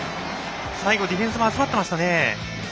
最後はディフェンスも集まってましたね。